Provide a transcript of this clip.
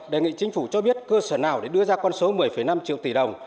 đề nghị chính phủ cho biết cơ sở nào để đưa ra con số một mươi năm triệu tỷ đồng